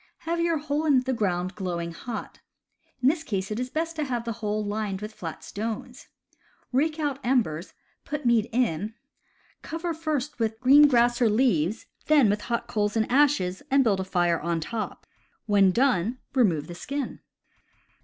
Have your hole in the ground glowing hot. In this case it is best to have the hole lined with flat stones. Rake out embers, put meat in, cover first with green grass or leaves, then with the 138 CAMPING AND WOODCRAFT hot coals and ashes, and build a fire on top. When done, remove the skin.